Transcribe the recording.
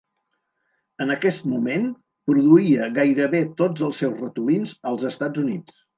En aquest moment, produïa gairebé tots els seus ratolins als Estats Units.